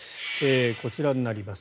こちらになります。